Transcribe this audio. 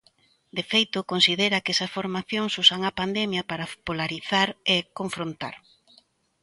De feito, considera que esas formacións "usan a pandemia" para "polarizar e confrontar".